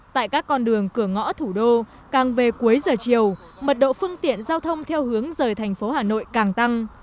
tại các con đường cửa ngõ thủ đô càng về cuối giờ chiều mật độ phương tiện giao thông theo hướng rời thành phố hà nội càng tăng